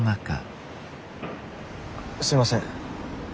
すみません